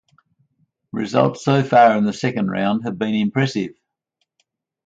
Results so far in the second round have been impressive.